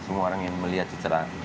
semua orang ingin melihat secara